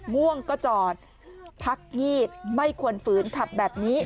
ง่วงก็จอดพักงีบไม่ควรฝืนขับแบบนี้